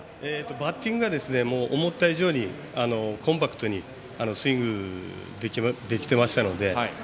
バッティングが思った以上にコンパクトにスイングできていましたので。